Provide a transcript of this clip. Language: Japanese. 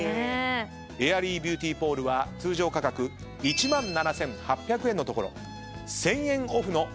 エアリービューティポールは通常価格１万７，８００円のところ１，０００円オフの１万６，８００円です。